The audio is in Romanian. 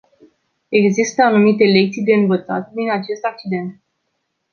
Există anumite lecții de învățat din acest accident.